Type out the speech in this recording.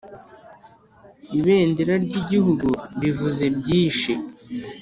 Ibendera ryigihugu rivuze byishi.